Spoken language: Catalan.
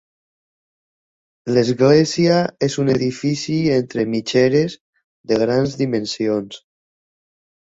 L'església és un edifici entre mitgeres, de grans dimensions.